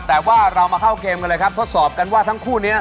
แต่ว่าเรามาเข้าเกมกันเลยครับทดสอบกันว่าทั้งคู่นี้